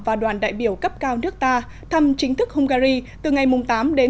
và đoàn đại biểu cấp cao nước ta thăm chính thức hungary từ ngày tám đến